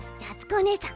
おねえさん